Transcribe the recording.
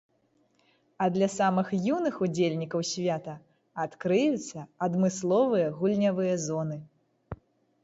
А для самых юных удзельнікаў свята адкрыюцца адмысловыя гульнявыя зоны.